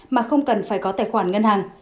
mà không cần phải có tài khoản ngân hàng